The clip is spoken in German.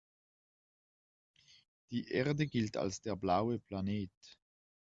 Die Erde gilt als der „blaue Planet“.